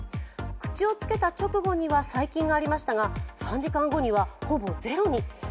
口をつけた直後には細菌がありましたが、３時間後にはほぼゼロに。